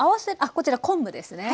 こちら昆布ですね。